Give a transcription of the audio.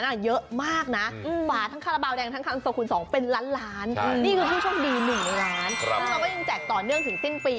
เราก็ยังแต่เติมข่าวตกต่อเนื่องถึงสิ้นปี